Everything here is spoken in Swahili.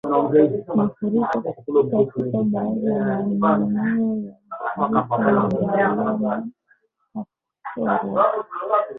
Mafuriko katika baadhi ya maeneo ya Bugisu Mbale na Kapchorwa